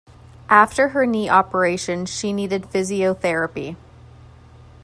After her knee operation, she needed physiotherapy